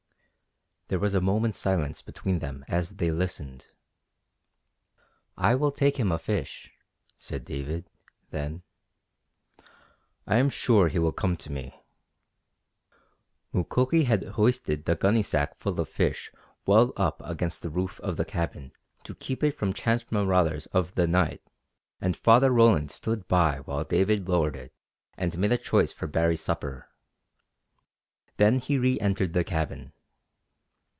There was a moment's silence between them as they listened. "I will take him a fish," said David, then. "I am sure he will come to me." Mukoki had hoisted the gunny sack full of fish well up against the roof of the cabin to keep it from chance marauders of the night, and Father Roland stood by while David lowered it and made a choice for Baree's supper. Then he reëntered the cabin.